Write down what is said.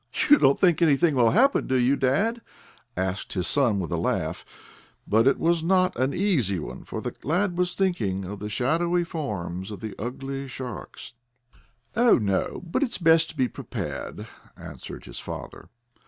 "You don't think anything will happen, do you, dad?" asked his son with a laugh, but it was not an easy one, for the lad was thinking of the shadowy forms of the ugly sharks. "Oh, no, but it's best to be prepared," answered his father.